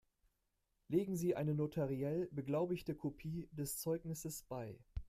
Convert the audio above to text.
Legen Sie eine notariell beglaubigte Kopie des Zeugnisses bei.